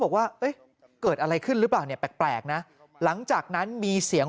บอกว่าเกิดอะไรขึ้นหรือเปล่าเนี่ยแปลกนะหลังจากนั้นมีเสียง